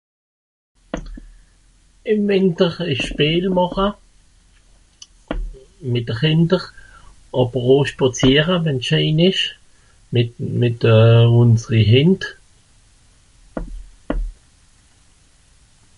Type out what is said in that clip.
ìm wìnter a spiel màcha mìt de Chinder àber o spàziera wenn scheen esch mìt euhh unseri Hìnd